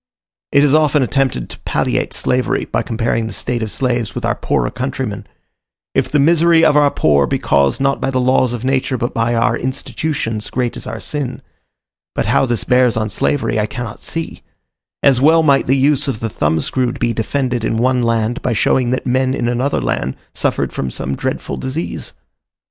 It is often attempted to palliate slavery by comparing the state of slaves with our poorer countrymen: if the misery of our poor be caused not by the laws of nature, but by our institutions, great is our sin; but how this bears on slavery, I cannot see; as well might the use of the thumb screw be defended in one land, by showing that men in another land suffered from some dreadful disease.